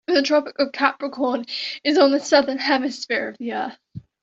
The Tropic of Capricorn is on the Southern Hemisphere of the earth.